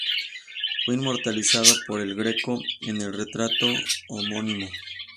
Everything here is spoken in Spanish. Fue inmortalizado por El Greco en el retrato homónimo.